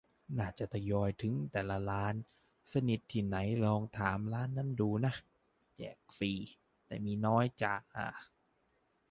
น่าจะทยอยถึงแต่ละร้านแล้ว สนิทที่ไหนลองถามร้านนั้นดูน้า แจกฟรี แต่มีน้อยจ้า